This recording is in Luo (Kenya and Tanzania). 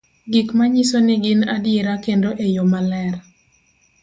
gik manyiso ni gin adiera kendo e yo maler